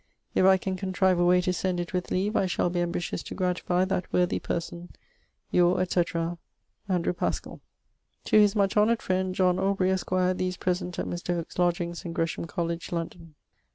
If I can contrive a way to send it with leave I shall be ambitious to gratify that worthy person. your etc. And. Paschall. To his much honoured friend John Aubrey, esqre., these present, at Mr. Hooke's lodgeings in Gresham College, London.